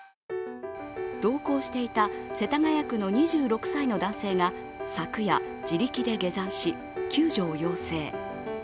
同行していた世田谷区の２６歳の男性が昨夜、自力で下山し救助を要請。